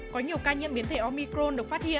có nhiều ca nhiễm biến thể omicron được phát hiện